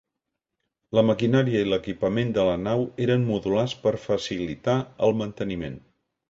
La maquinària i l'equipament de la nau eren modulars per facilitar el manteniment.